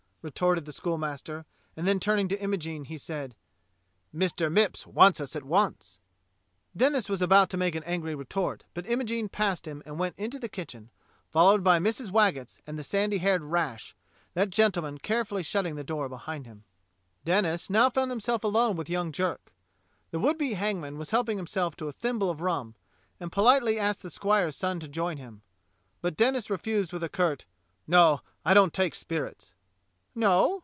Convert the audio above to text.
retorted the schoolmaster, and then turning to Imogene, he said: "Mr. Mipps wants us at once." Denis was about to make an angry retort, but Imogene passed him and went 20 DOCTOR SYN into the kitchen, followed by Mrs. Waggetts and the sandy haired Rash, that gentleman carefully shutting the door behind him. Denis now found himself alone with young Jerk. The would be hangman was helping himself to a thimble of rum, and politely asked the squire's son to join him; but Denis refused with a curt: "No, I don't take spirits." "No.